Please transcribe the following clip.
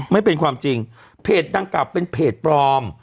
ไม่เป็นความจริงเพจดังกล่าเป็นเพจปลอม